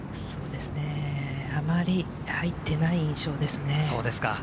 あまり入っていない印象ですね。